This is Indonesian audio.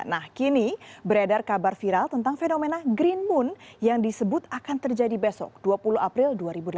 nah kini beredar kabar viral tentang fenomena green moon yang disebut akan terjadi besok dua puluh april dua ribu delapan belas